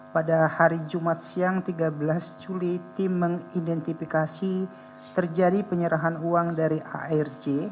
pada hari jumat siang tiga belas juli tim mengidentifikasi terjadi penyerahan uang dari arj